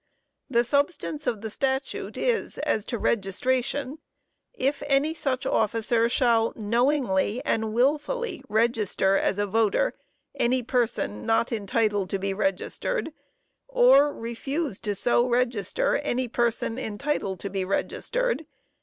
The substance of the statute is, as to registration: "If any such officer shall ... knowingly and wilfully register as a voter any person not entitled to be registered, or refuse to so register any person entitled to be registered